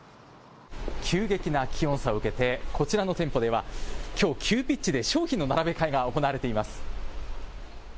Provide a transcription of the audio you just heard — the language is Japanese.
急激な気温差を受けてこちらの店舗ではきょう急ピッチで商品の並べ替えが行われています。